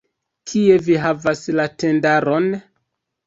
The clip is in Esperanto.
Kie vi havas la tendaron?